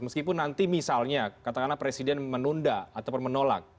meskipun nanti misalnya katakanlah presiden menunda ataupun menolak